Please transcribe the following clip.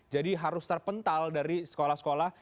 jadi harus terpental dari sekolah sekolah